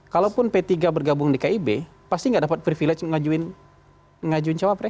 kalaupun p tiga bergabung di kib pasti enggak dapat privilege ngajuin cawa pres